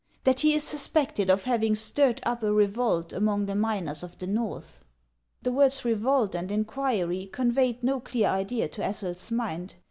That he is suspected of having stirred up a revolt among the miners of the Xorth ?" The words " revolt ." and "inquiry" conveyed no clear idea to Ethel's mind.